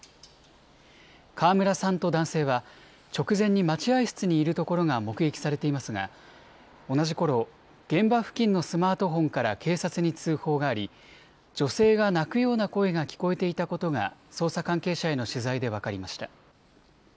川村さんと男性は直前に待合室にいるところが目撃されていますが同じころ現場付近のスマートフォンから警察に通報があり女性が泣くような声が聞こえていたことが捜査関係者への取材で分かりました。